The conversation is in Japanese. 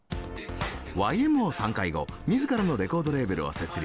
Ｙ．Ｍ．Ｏ．散会後自らのレコードレーベルを設立。